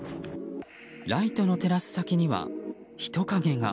ライトの照らす先には人影が。